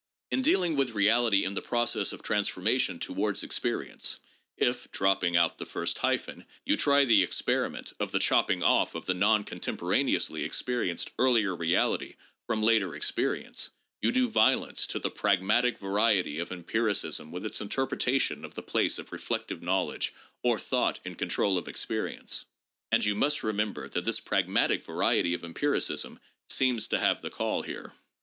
In dealing with reality in the process of transformation towards experience, if, dropping out the first hyphen, you try the experi ment of the "chopping off of the non contemporaneously experi enced earlier reality from later experience," you do violence to " the pragmatic variety of empiricism with its interpretation of the place of reflective knowledge, or thought, in control of experi ence," and you must remember that this pragmatic variety of empiricism "seems to have the call" here.